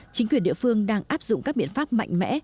chính quyền địa phương đang áp dụng các biện pháp mạnh mẽ